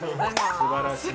すばらしい。